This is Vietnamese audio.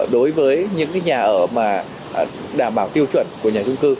đối với những nhà ở mà đảm bảo tiêu chuẩn của nhà trung cư